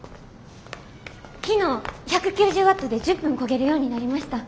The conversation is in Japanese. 昨日１９０ワットで１０分こげるようになりました。